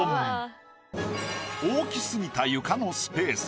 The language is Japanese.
大き過ぎた床のスペース。